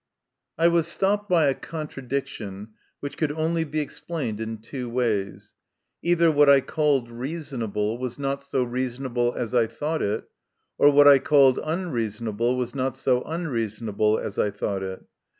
I WAS stopped by a contradiction which could only be explained in two ways : either what I called reasonable was not so reasonable as I thought it, or what I called unreasonable was not so unreasonable as I thought it.